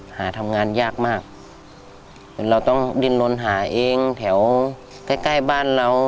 หาทำงานยากมากจนเราต้องดินลนหาเองแถวใกล้ใกล้บ้านเรา